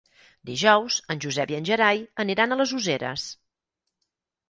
Dijous en Josep i en Gerai aniran a les Useres.